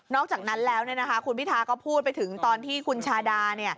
อกจากนั้นแล้วคุณพิทาก็พูดไปถึงตอนที่คุณชาดา